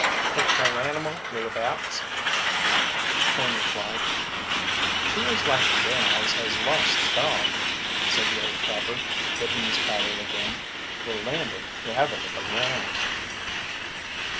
"Hain't no animal hereabouts," Coon replied. "'Pears like the gals has lost a dog," said the old trapper, dipping his paddle again. "We're landin' to have a look around."